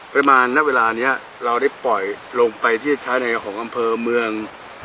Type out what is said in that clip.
ประมาณนานเวลานี้เราได้ปล่อยลงไปที่ทางไว้ของอำเภอเมือง